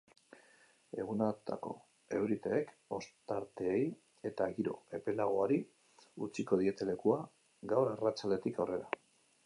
Egunotako euriteek ostarteei eta giro epelagoari utziko diete lekua gaur arratsaldetik aurrera.